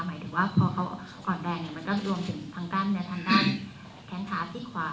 หมายถึงว่าพอเขาอ่อนแรงเนี่ยมันก็รวมถึงทางกล้ามเนื้อทางด้านแขนขาซีกขวา